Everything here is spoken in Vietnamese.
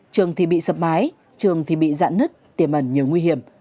trường thì bị sập máy trường thì bị dạn nứt tiềm ẩn nhiều nguy hiểm